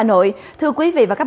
xin chào trường quay hà nội